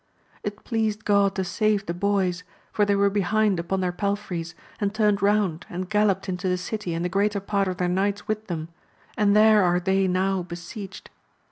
It pleased God to save the boys; for they were behind upon their palfreys, and turned round and galloped into the city and the greater part of their knights with them, and there are they now besieged.